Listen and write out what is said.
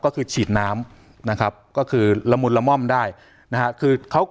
ก็คือฉีดน้ำนะครับก็คือละมุนละม่อมได้นะฮะคือเขา